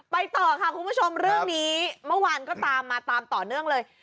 ไปต่อค่ะคุณผู้ชมเรื่องนี้เมื่อวานก็ตามมาตามต่อเนื่องเลย